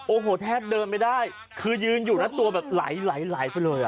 โอ้โหแทบเดินไม่ได้คือยืนอยู่นะตัวแบบไหลไหลไปเลย